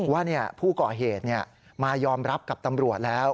ว่าผู้ก่อเหตุมายอมรับกับตำรวจแล้ว